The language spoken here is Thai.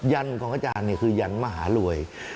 ันของอาจารย์คือยันมหารวย